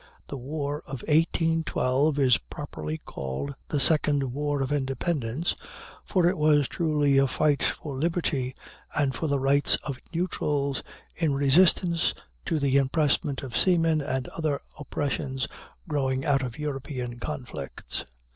The war of 1812 is properly called the Second War of Independence, for it was truly a fight for liberty and for the rights of neutrals, in resistance to the impressment of seamen and other oppressions growing out of European conflicts.